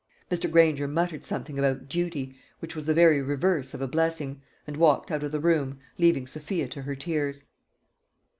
Mr. Granger muttered something about "duty," which was the very reverse of a blessing, and walked out of the room, leaving Sophia to her tears.